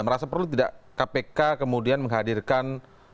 merasa perlu tidak kpk kemudian menghadirkan